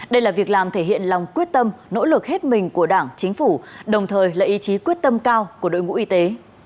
đây là việc làm thể hiện lòng quyết tâm nỗ lực hết mình của đảng chính phủ đồng thời là ý chí quyết tâm cao của đội ngũ y tế